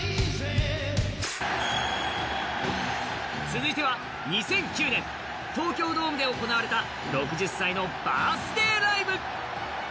続いては２００９年、東京ドームで行われた６０歳のバースデーライブ。